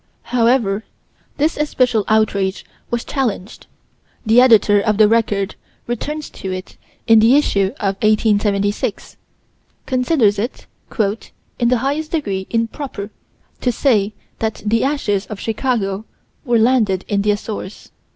However this especial outrage was challenged: the Editor of the Record returns to it, in the issue of 1876: considers it "in the highest degree improper to say that the ashes of Chicago were landed in the Azores."